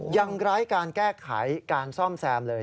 อย่างไร้การแก้ไขการซ่อมแซมเลย